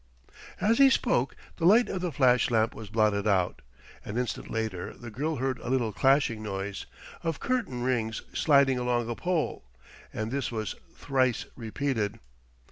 As he spoke the light of the flash lamp was blotted out. An instant later the girl heard a little clashing noise, of curtain rings sliding along a pole; and this was thrice repeated.